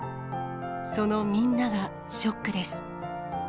そのみんながショックです。